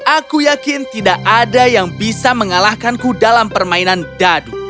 aku yakin tidak ada yang bisa mengalahkanku dalam permainan dadu